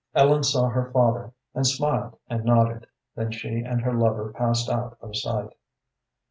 Ellen saw her father, and smiled and nodded, then she and her lover passed out of sight.